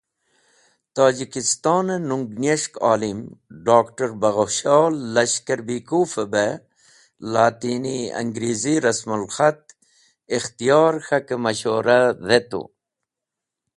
Tojikistone Nungniyes̃hk Olim Dr. Boghsho Lashkar Bekove be “Latni-Angreezi” Rasmul Khat Ikhtiyor K̃hake mashorah dhetu.